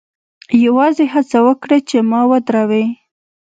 یوازې هڅه وکړه چې ما ودروې